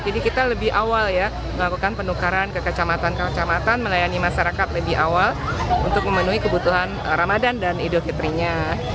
jadi kita lebih awal ya melakukan penukaran ke kecamatan kecamatan melayani masyarakat lebih awal untuk memenuhi kebutuhan ramadhan dan idul fitrinya